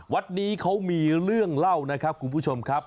วัดนี้เขามีเรื่องเล่านะครับคุณผู้ชมครับ